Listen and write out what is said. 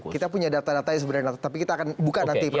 kita punya data datanya sebenarnya tapi kita akan buka nanti